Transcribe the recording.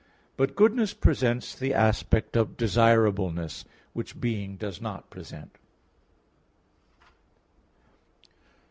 But goodness presents the aspect of desirableness, which being does not present.